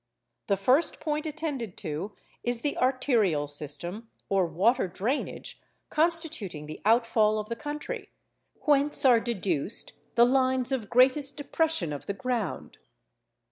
The first point attended to is the arterial system, or water drainage, constituting the outfall of the country; whence are deduced the lines of greatest depression of the ground.